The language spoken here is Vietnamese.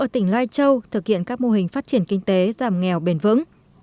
dân tộc thiểu số ở tỉnh lai châu thực hiện các mô hình phát triển kinh tế giảm nghèo bền vững